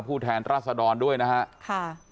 ผู้แทนลักษณ์ดอนด้วยนะค่ะ